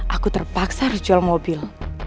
aku terpaksa harus jual mobil